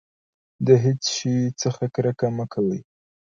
د هېڅ شي څخه کرکه مه کوه.